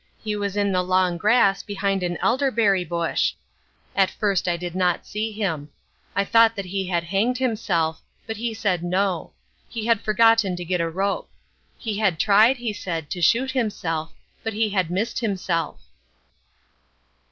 He was in the long grass behind an elderberry bush. At first I did not see him. I thought that he had hanged himself. But he said no. He had forgotten to get a rope. He had tried, he said, to shoot himself. But he had missed himself.